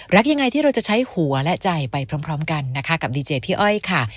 รักยังไงที่เราจะใช้หัวและใจไปพร้อมกันนะคะกับดีเจพี่อ้อยค่ะ